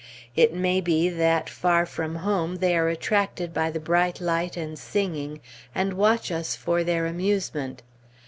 It may be that, far from home, they are attracted by the bright light and singing, and watch us for their amusement.